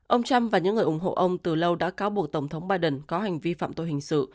ông trump và những người ủng hộ ông từ lâu đã cáo buộc tổng thống biden có hành vi phạm tội hình sự